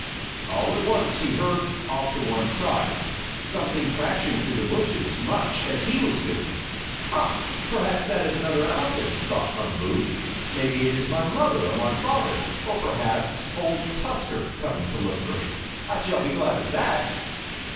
All at once he heard, off to one side, something crashing through the bushes much as he was doing. "Ha! Perhaps that is another elephant!" thought Umboo. "Maybe it is my mother or my father, or perhaps Old Tusker coming to look for me. I shall be glad of that!